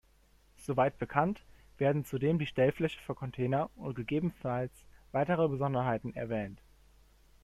Soweit bekannt, werden zudem die Stellfläche für Container und gegebenenfalls weitere Besonderheiten erwähnt.